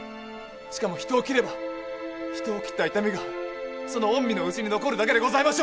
しかも人を斬れば人を斬った痛みがその御身の内に残るだけでございましょう！